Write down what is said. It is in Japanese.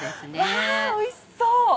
わおいしそう！